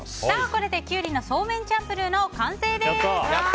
これでキュウリのそうめんチャンプルーの完成です。